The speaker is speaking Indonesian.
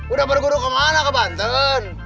udah berguru kemana ke banten